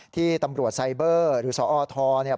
ที่ตำรวจไซเบอร์หรือสอทเนี่ย